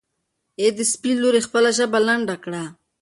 ای د سپي لورې خپله ژبه لنډه کړه.